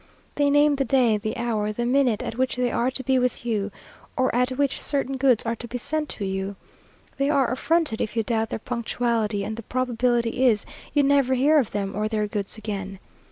They name the day, the hour, the minute, at which they are to be with you, or at which certain goods are to be sent to you. They are affronted if you doubt their punctuality, and the probability is, you never hear of them or their goods again.